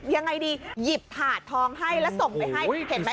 ยังไงดีหยิบถ่าทองให้แล้วส่งให้